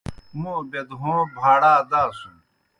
موں بیدہوں بھاڑا داسُن۔